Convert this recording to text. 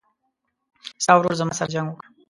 ستا ورور زما سره جنګ وکړ